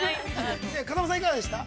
風間さん、いかがでした？